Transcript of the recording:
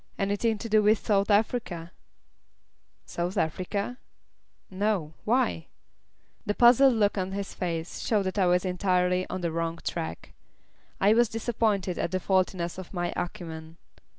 "Anything to do with South Africa?" "South Africa ? No. Why?" The puzzled look on his face showed that I was entirely on the wrong track. I was disappointed at the faultiness of my acumen.